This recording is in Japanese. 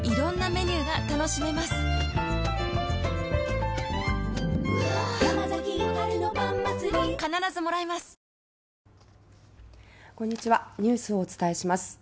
ニュースを伝えします。